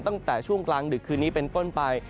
ตั้งแต่ช่วงกลางดึกคืนนี้เป็นต้นไป